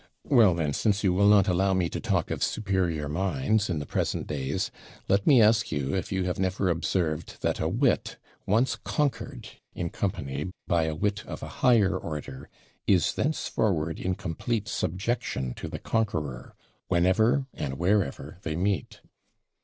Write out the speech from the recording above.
'Well, then, since you will not allow me to talk of superior minds in the present days, let me ask you if you have never observed that a wit, once conquered in company by a wit of a higher order, is thenceforward in complete subjection to the conqueror, whenever and wherever they meet.'